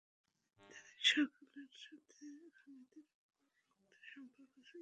তাদের সকলের সাথে খালিদের রক্তের সম্পর্ক ছিল।